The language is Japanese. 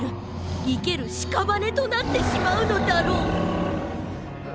いけるしかばねとなってしまうのだろう」。